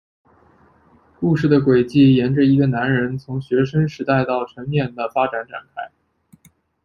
故事的轨迹沿着一个男人从学生时代到成年的发展展开。